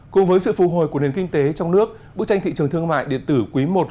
cùng với sự phù hồi của nền kinh tế trong nước bức tranh thị trường thương mại điện tử quý i